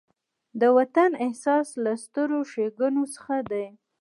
د وطن احساس له سترو ښېګڼو څخه دی.